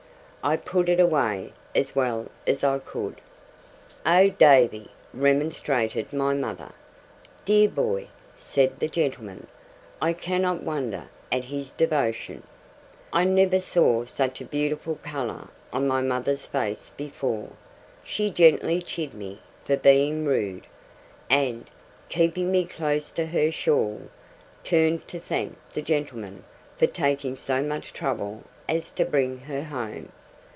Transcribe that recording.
I put it away, as well as I could. 'Oh, Davy!' remonstrated my mother. 'Dear boy!' said the gentleman. 'I cannot wonder at his devotion!' I never saw such a beautiful colour on my mother's face before. She gently chid me for being rude; and, keeping me close to her shawl, turned to thank the gentleman for taking so much trouble as to bring her home.